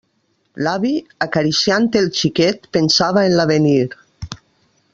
L'avi, acariciant el xiquet, pensava en l'avenir.